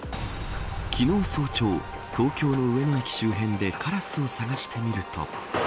昨日早朝、東京の上野駅周辺でカラスを探してみると。